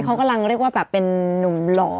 เขากำลังเรียกว่าแบบเป็นนุ่มหล่อ